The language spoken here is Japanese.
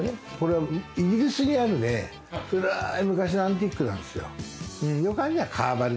イギリスにあるね、古い昔のアンティークなんですよ。